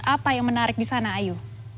apa yang menarik di sana ayu